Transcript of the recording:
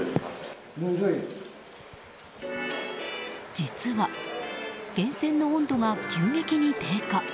実は源泉の温度が急激に低下。